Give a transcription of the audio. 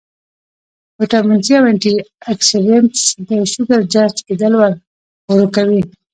وټامن سي او انټي اکسيډنټس د شوګر جذب کېدل ورو کوي